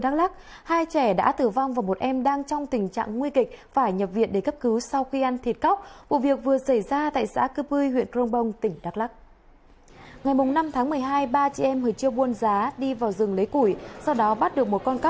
các bạn hãy đăng ký kênh để ủng hộ kênh của chúng mình nhé